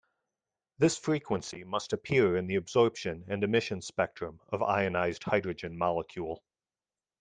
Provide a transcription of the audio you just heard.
This frequency must appear in the absorption and emission spectrum of ionized hydrogen molecule.